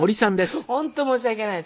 本当申し訳ないです。